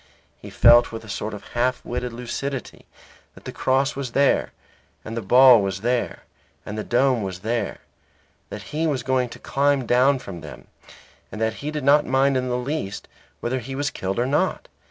He felt with a sort of half witted lucidity that the cross was there, and the ball was there, and the dome was there, that he was going to climb down from them, and that he did not mind in the least whether he was killed or not.